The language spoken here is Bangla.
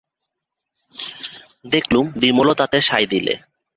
দেখলুম বিমলও তাতে সায় দিলে।